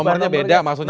nomornya beda maksudnya